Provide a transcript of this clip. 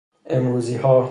امروزی ها